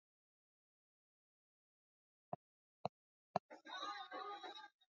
machachari kweli kweli hapa duniani yenye nguvu za kiuchumi